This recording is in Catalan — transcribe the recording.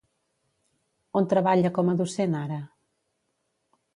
On treballa com a docent ara?